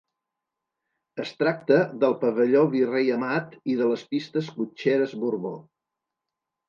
Es tracta del Pavelló Virrei Amat i de les Pistes Cotxeres Borbó.